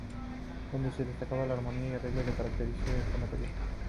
Donde se destacan la armonía y los arreglos que caracterizan este material.